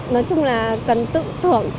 nói chung là cần tự thưởng